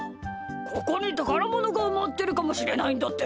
ここにたからものがうまってるかもしれないんだって。